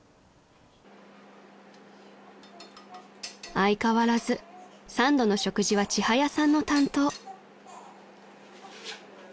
［相変わらず三度の食事はちはやさんの担当］